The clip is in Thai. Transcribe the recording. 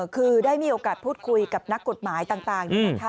คือได้มีโอกาสพูดคุยกับนักกฎหมายต่าง